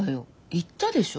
言ったでしょ？